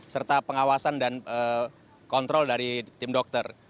serta pengawasan dan kontrol dari tim dokter